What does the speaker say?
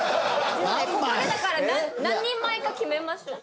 ここでだから何人前か決めましょう。